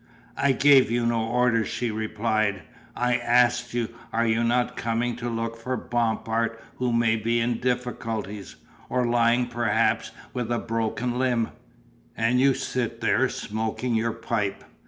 "I gave you no orders," she replied, "I asked you, are you not coming to look for Bompard who may be in difficulties, or lying perhaps with a broken limb and you sit there smoking your pipe.